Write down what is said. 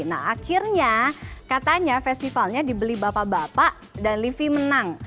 nah akhirnya katanya festivalnya dibeli bapak bapak dan livi menang